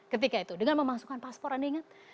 ketika itu dengan memasukkan paspor anda ingat